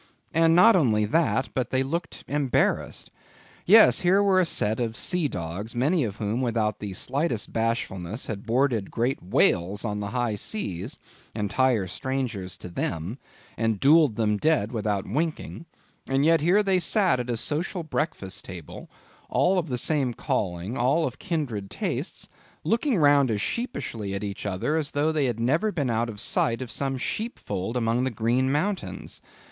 And not only that, but they looked embarrassed. Yes, here were a set of sea dogs, many of whom without the slightest bashfulness had boarded great whales on the high seas—entire strangers to them—and duelled them dead without winking; and yet, here they sat at a social breakfast table—all of the same calling, all of kindred tastes—looking round as sheepishly at each other as though they had never been out of sight of some sheepfold among the Green Mountains.